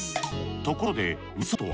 ところでメソとは。